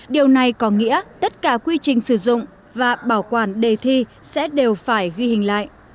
điều này có nghĩa tất cả quy trình sử dụng và bảo quản đề thi sẽ đều phải ghi hình lại